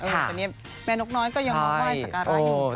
แต่เนี่ยแม่นกน้อยก็ยังไม่ไหว้จัดการอะไรอยู่กัน